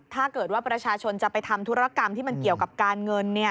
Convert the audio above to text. ถ้าเกิดว่าประชาชนจะไปทำธุรกรรมที่มันเกี่ยวกับการเงิน